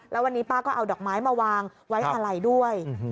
แล้ววันนี้ป้าก็เอาดอกไม้มาวางไว้อะไรด้วย